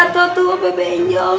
penjato tuh apa benjol